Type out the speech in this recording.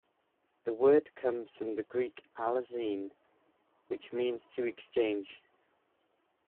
The word comes from the Greek "allazein," which means "to exchange.